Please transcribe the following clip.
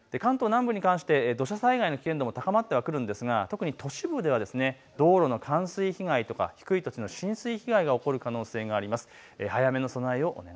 関東南部に関して土砂災害の危険度も高まってはくるんですが特に都市部では道路の冠水被害とか低い土地の浸水被害が起こる可能性があります。